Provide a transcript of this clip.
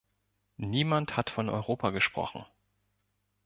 Niemand hat von Europa gesprochen.